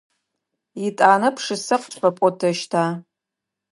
Етӏанэ пшысэ къытфэпӏотэщта?